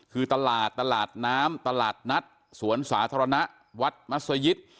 คือตลาดตลาดน้ำตลาดนัดสวนสาธารณะวัดมัศยิต